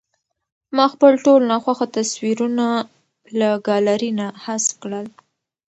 ما خپل ټول ناخوښه تصویرونه له ګالرۍ نه حذف کړل.